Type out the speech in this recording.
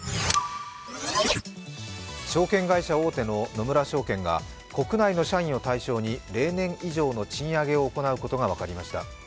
証券会社大手の野村證券が国内の社員を対象に例年以上の賃上げを行うことが分かりました。